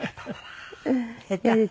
下手？